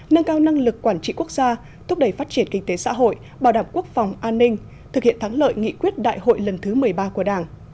nâng cao năng lực quản trị quốc gia thúc đẩy phát triển kinh tế xã hội bảo đảm quốc phòng an ninh thực hiện thắng lợi nghị quyết đại hội lần thứ một mươi ba của đảng